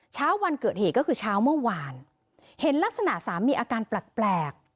เช้าวันเกิดเหตุก็คือเช้าเมื่อวานเห็นลักษณะสามีอาการแปลก